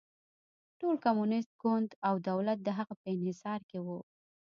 ټول کمونېست ګوند او دولت د هغه په انحصار کې و.